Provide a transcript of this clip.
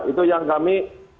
itu yang kami